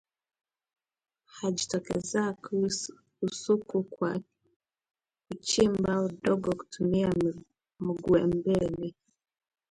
Hujitokezajuu usiku kwa kuchimba udongo kutumia miguuyambele.